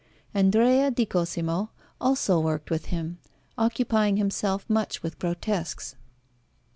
Andrea di Cosimo also worked with him, occupying himself much with grotesques.